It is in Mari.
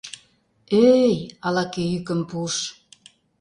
— Ӧ-ӧй, — ала-кӧ йӱкым пуыш.